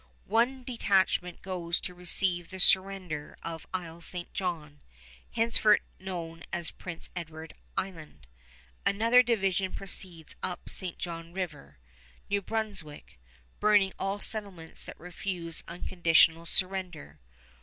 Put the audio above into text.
One detachment goes to receive the surrender of Isle St. John, henceforth known as Prince Edward Island. Another division proceeds up St. John River, New Brunswick, burning all settlements that refuse unconditional surrender.